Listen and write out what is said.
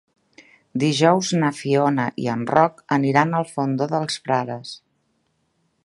Dijous na Fiona i en Roc aniran al Fondó dels Frares.